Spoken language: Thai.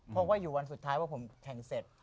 เพราะว่าอยู่วันสุดท้ายว่าผมแข่งเสร็จ